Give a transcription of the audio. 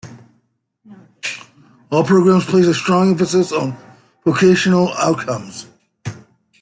All programs place a strong emphasis on vocational outcomes.